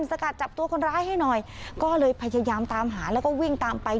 สกัดจับตัวคนร้ายให้หน่อยก็เลยพยายามตามหาแล้วก็วิ่งตามไป